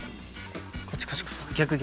こっちこっちこっち逆逆。